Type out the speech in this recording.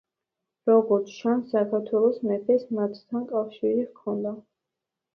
როგორც ჩანს, საქართველოს მეფეს მათთან კავშირი ჰქონდა.